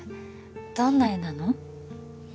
どんな絵なの？